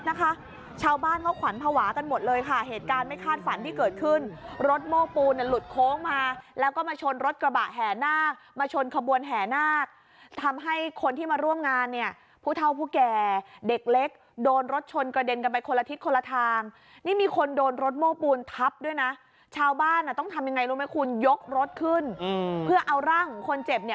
นะคะชาวบ้านเขาขวัญภาวะกันหมดเลยค่ะเหตุการณ์ไม่คาดฝันที่เกิดขึ้นรถโม้ปูนเนี่ยหลุดโค้งมาแล้วก็มาชนรถกระบะแห่นาคมาชนขบวนแห่นาคทำให้คนที่มาร่วมงานเนี่ยผู้เท่าผู้แก่เด็กเล็กโดนรถชนกระเด็นกันไปคนละทิศคนละทางนี่มีคนโดนรถโม้ปูนทับด้วยนะชาวบ้านอ่ะต้องทำยังไงรู้ไหมคุณยกรถขึ้นอืมเพื่อเอาร่างของคนเจ็บเนี่ย